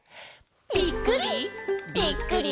ぴっくり！